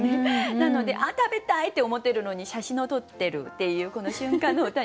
なので「ああ食べたい」って思ってるのに写真を撮ってるっていうこの瞬間の歌にしてみました。